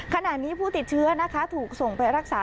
ขณะนี้ผู้ติดเชื้อนะคะถูกส่งไปรักษา